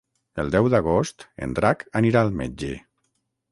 El deu d'agost en Drac anirà al metge.